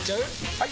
・はい！